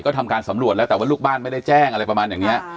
ก็ทำการสำรวจแล้วแต่ว่าลูกบ้านไม่ได้แจ้งอะไรประมาณอย่างนี้